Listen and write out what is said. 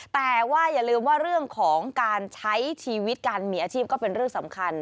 แต่ว่าอย่าลืมว่าเรื่องของการใช้ชีวิตการมีอาชีพก็เป็นเรื่องสำคัญ